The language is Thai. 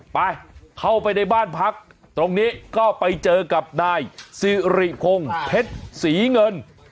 ไปเข้าไปในบ้านพักตรงนี้ก็ไปเจอกับนายสิริพงศ์เพชรศรีเงิน